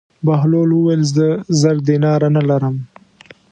بهلول وویل: زه زر دیناره نه لرم.